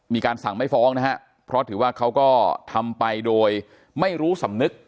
มีการสั่งไม่ฟ้องนะฮะเพราะถือว่าเขาก็ทำไปโดยไม่รู้สำนึก